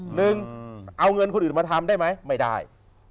หนึ่งเอาเงินคนอื่นมาทำได้ไหมไม่ได้